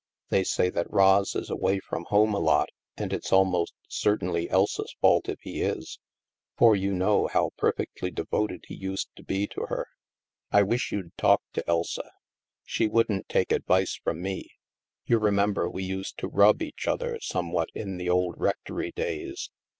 They say that Ros is away from home a lot, and it's almost certainly Elsa's fault if he is, for you know how perfectly devoted he used to be to her. I wish 226 THE MASK you'd talk to Elsa. She wouldn't take advice from me ; you remember we used to rub each other some what in the old rectory days.